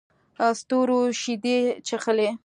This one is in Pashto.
ستورو شیدې چښلې